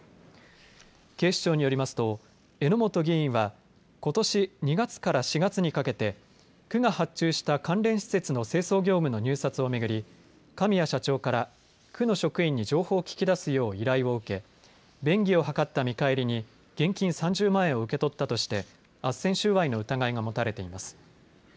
警視庁によりますと榎本議員はことし２月から４月にかけて区が発注した関連施設の清掃業務の入札を巡り神谷社長から区の職員に情報を聞き出すよう依頼を受け便宜を図った見返りに現金３０万円を受け取ったとしてあっせん収賄の疑いが持たれています。